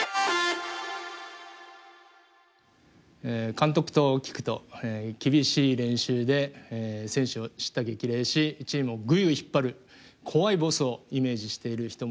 監督と聞くと厳しい練習で選手を叱咤激励しチームをぐいぐい引っ張る怖いボスをイメージしている人もいると思います。